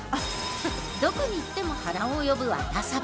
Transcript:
どこに行っても波乱を呼ぶワタサバ。